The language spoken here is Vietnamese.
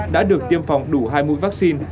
đã được tiêm phòng đủ hai mũi vaccine